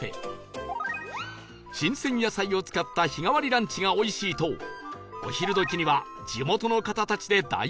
新鮮野菜を使った日替わりランチがおいしいとお昼時には地元の方たちで大盛況